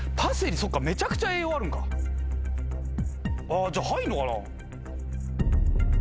あじゃ入るのかな。